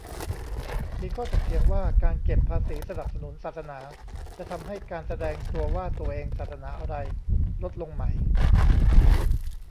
มีข้อถกเถียงว่า การเก็บภาษีสนับสนุนศาสนา จะทำให้การแสดงตัวว่าตัวเองศาสนาอะไรลดลงไหม